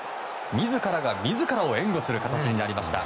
自らが自らを援護する形になりました。